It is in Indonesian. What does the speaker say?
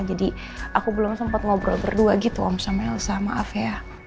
jadi aku belum sempat ngobrol berdua gitu sama elsa maaf ya